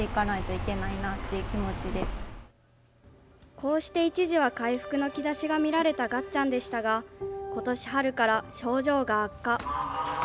こうして一時は回復の兆しが見られたがっちゃんでしたがことし春から症状が悪化。